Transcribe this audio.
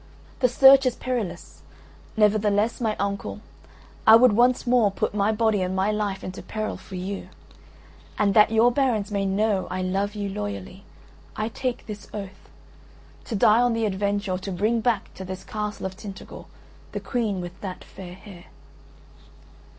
The search is perilous: never the less, my uncle, I would once more put my body and my life into peril for you; and that your barons may know I love you loyally, I take this oath, to die on the adventure or to bring back to this castle of Tintagel the Queen with that fair hair."